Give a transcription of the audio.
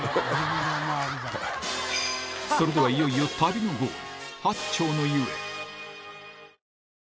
それではいよいよ旅のゴール